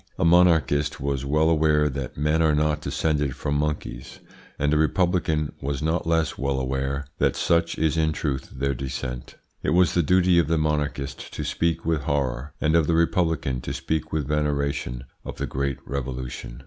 A monarchist was well aware that men are not descended from monkeys, and a republican was not less well aware that such is in truth their descent. It was the duty of the monarchist to speak with horror, and of the republican to speak with veneration, of the great Revolution.